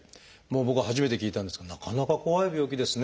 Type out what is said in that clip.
僕は初めて聞いたんですがなかなか怖い病気ですね。